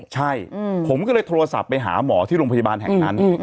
ใช่ผมก็เลยโทรศัพท์ไปหาหมอที่โรงพยาบาลแห่งนั้น